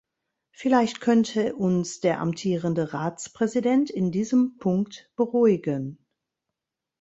Vielleicht könnte uns der amtierende Ratspräsident in diesem Punkt beruhigen.